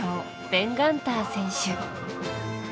ベン・ガンター選手。